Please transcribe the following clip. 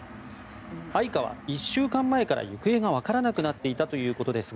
アイカは１週間前から行方がわからなくなっていたということですが